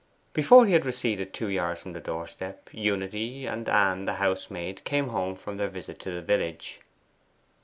Before he had receded two yards from the doorstep, Unity and Ann the housemaid came home from their visit to the village.